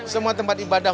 semua tempat ibadah